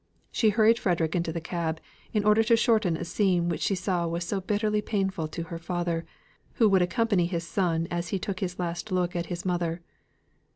She hurried Frederick into the cab, in order to shorten a scene which she saw was so bitterly painful to her father, who would accompany his son as he took his last look at his mother.